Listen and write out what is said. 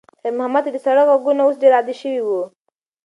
خیر محمد ته د سړک غږونه اوس ډېر عادي شوي وو.